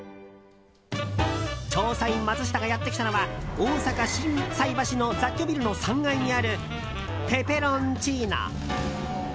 調査員マツシタがやってきたのは大阪・心斎橋の雑居ビルの３階にあるペペロンチーノ。